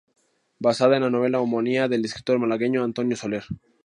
Basado en la novela homónima del escritor malagueño Antonio Soler.